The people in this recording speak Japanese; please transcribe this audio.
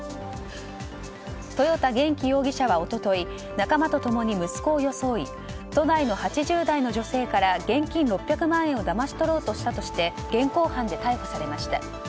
豊田元気容疑者は一昨日仲間と共に息子を装い都内の８０代の女性から現金６００万円をだまし取ろうとしたとして現行犯で逮捕されました。